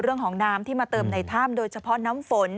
เรื่องของน้ำที่มาเติมในถ้ำโดยเฉพาะน้ำฝน